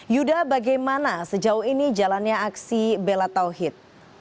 yuda bagaimana sejauh ini jalannya aksi bela tauhid